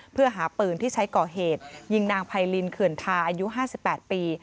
เพื่อหาปืนที่ใช้ก่อเหตุยิงนางไพรินเขื่อนทาอายุ๕๘ปี